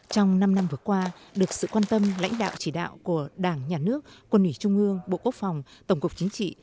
trong năm năm vừa qua được sự quan tâm lãnh đạo chỉ đạo của đảng nhà nước quân ủy trung ương bộ quốc phòng tổng cục chính trị